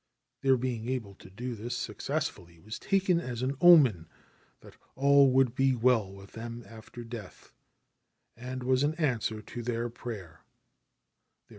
Their being able to do this successfully was taken as an omen that all would be well with them after death, and was an answer to their prayer.